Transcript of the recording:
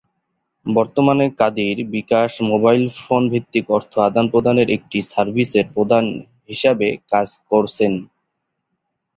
বর্তমানে Kadir bKash, mobile phone ভিত্তিক অর্থ আদান প্রদানের একটি সার্ভিস এর প্রধান হিসাবে কাজ করছেন।